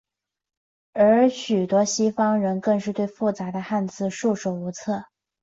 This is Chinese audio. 而许多西方人更是对复杂的汉字束手无策。